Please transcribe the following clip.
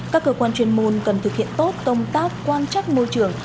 các cơ quan chuyên môn cần thực hiện tốt tông tác quan trắc môi trường